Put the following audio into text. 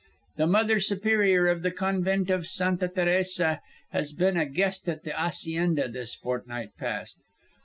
The Mother Superior of the Convent of Santa Teresa has been a guest at the hacienda this fortnight past.